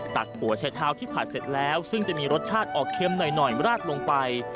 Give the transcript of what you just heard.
ักหัวใช้เท้าที่ผัดเสร็จแล้วซึ่งจะมีรสชาติออกเค็มหน่อยราดลงไป